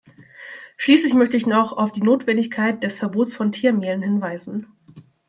Schließlich möchte ich noch auf die Notwendigkeit des Verbots von Tiermehlen hinweisen.